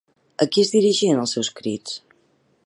A qui es dirigien els seus crits?